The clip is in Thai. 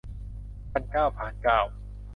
พันเกล้า พานเกล้า